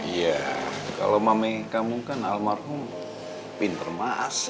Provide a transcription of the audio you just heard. iya kalau mama kamu kan almarhum pinter mas